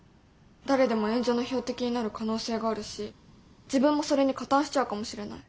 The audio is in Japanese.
誰でも炎上の標的になる可能性があるし自分もそれに加担しちゃうかもしれない。